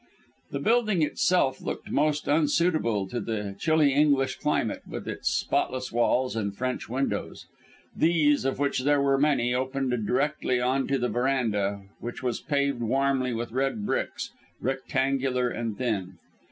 The building itself looked most unsuitable to the chilly English climate, with its spotless walls and French windows. These, of which there were many, opened directly on to the verandah, which was paved warmly with red bricks, rectangular and thin.